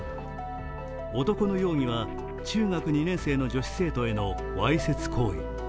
男の容疑は中学２年生の女子生徒へのわいせつ行為。